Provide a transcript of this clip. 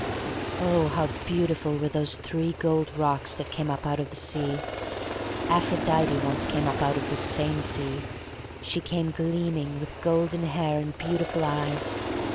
Oh, how beautiful were those three gold rocks that came up out of the sea! Aphrodite once came up out of this same sea. She came gleaming, with golden hair and beautiful eyes.